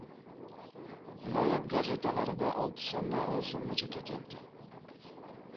Viloyat gazetalarida olti so‘mdan o‘n so‘mgacha ketyapti.